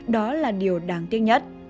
đó là điều đáng tiếc nhất